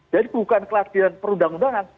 jadi bukan keadilan perundang undangan